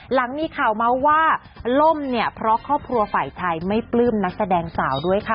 หลังมีข่าวเมาส์ว่าล่มเนี่ยเพราะครอบครัวฝ่ายชายไม่ปลื้มนักแสดงสาวด้วยค่ะ